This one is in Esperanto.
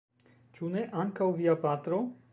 Ĉu ne ankaŭ via patro?